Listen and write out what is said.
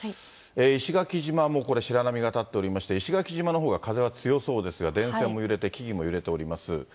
石垣島もこれ、白波が立っておりまして、石垣島のほうが風は強そうですが、電線も揺れて、木々も揺れています。